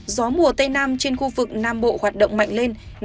gió mùa tây nam trên khu vực nam bộ hoạt động mạnh lên